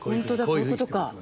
こういうことか。